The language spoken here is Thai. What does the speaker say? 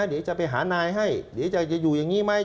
เดี๋ยวจะไปหานายให้เดี๋ยวจะอยู่อย่างนี้ไหม